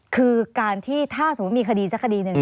คือการที่ถ้าสมมุติมีคดีสักคดีหนึ่ง